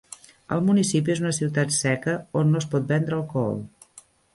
El municipi és una ciutat seca on no es pot vendre alcohol.